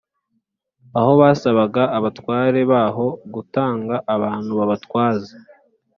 aho basabaga abatware baho gutanga abantu babatwaza